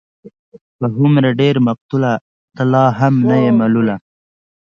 په هومره ډېر مقتوله، ته لا هم نه يې ملوله